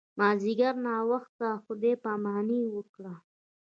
مازیګر ناوخته خدای پاماني وکړه.